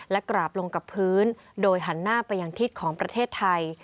และกราบลงกับพื้นโดยหันหน้าไปยังทิศของประเทศไทย